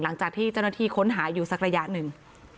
หลังจากที่เจ้าหน้าที่ค้นหาอยู่สักระยะหนึ่ง